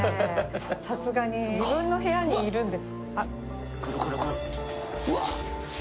さすがに自分の部屋にいるんです